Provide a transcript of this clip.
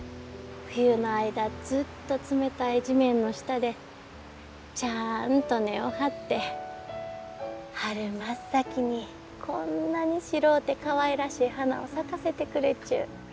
冬の間ずっと冷たい地面の下でちゃあんと根を張って春真っ先にこんなに白うてかわいらしい花を咲かせてくれちゅう。